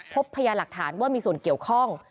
พยานหลักฐานว่ามีส่วนเกี่ยวข้อง